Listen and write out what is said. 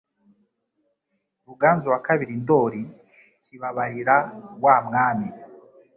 RUGANZU II NDOLI Kibabarira wa Mwami,